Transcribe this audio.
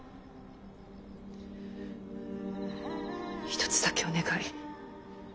一つだけお願い。